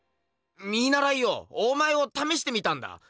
見ならいよお前をためしてみたんだ。